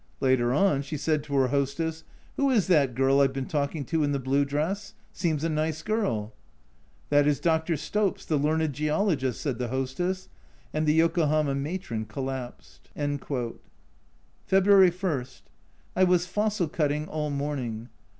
Later on she said to her hostess, " Who is that girl I've been talking to, in the blue dress ? seems a nice girl." " That is Dr. Slopes, the learned geologist," said the hostess, and the Yokohama matron collapsed. February I. I was fossil cutting all morning.